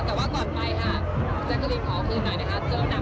แต่ว่าก่อนไปจักรีนออกคืนใหม่เจออนักมาหลายวันแล้ว